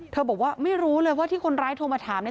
บอกว่าไม่รู้เลยว่าที่คนร้ายโทรมาถาม